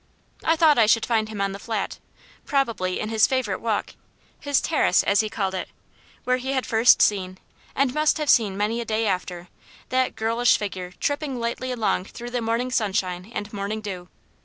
I thought I should find him on the Flat probably in his favourite walk, his "terrace," as he called it, where he had first seen, and must have seen many a day after, that girlish figure tripping lightly along through the morning sunshine and morning dew.